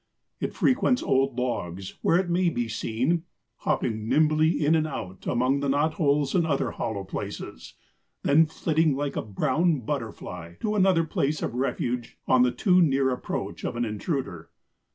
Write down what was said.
It frequents old logs, where it may be seen "hopping nimbly in and out among the knotholes and other hollow places, then flitting like a brown butterfly to another place of refuge on the too near approach of an intruder."